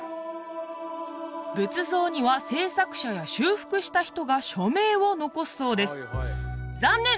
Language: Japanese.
仏像には制作者や修復した人が署名を残すそうです残念！